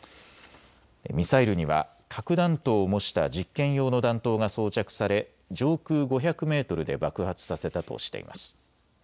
ミサイルには核弾頭を模した実験用の弾頭が装着され上空５００メートルで爆発させたとしています。